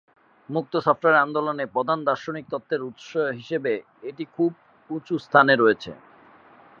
মুক্ত সফটওয়্যার আন্দোলনে প্রধান দার্শনিক তত্ত্বের উৎস হিসেবে এটি খুব উঁচু স্থানে রয়েছে।